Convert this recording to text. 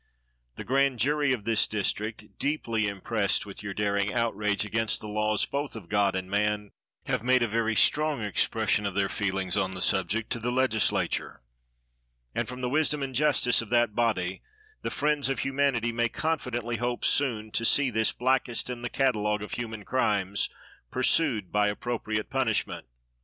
The grand jury of this district, deeply impressed with your daring outrage against the laws both of God and man, have made a very strong expression of their feelings on the subject to the legislature; and, from the wisdom and justice of that body, the friends of humanity may confidently hope soon to see this blackest in the catalogue of human crimes pursued by appropriate punishment.